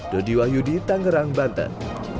dediwayudi tangerang banten